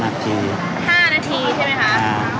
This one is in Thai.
๕นาทีใช่ไหมคะ